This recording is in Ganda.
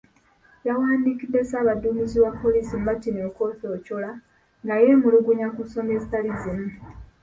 Yawandiikidde ssaabaduumizi wa poliisi, Martin Okoth Ochola, nga yeemulugunya ku nsonga ezitali zimu.